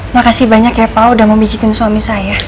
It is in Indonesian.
makasih banyak ya pak udah memijikin suami saya